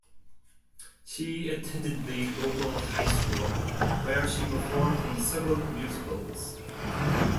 She attended the local high school, where she performed in several musicals.